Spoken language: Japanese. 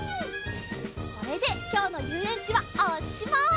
これできょうのゆうえんちはおしまい！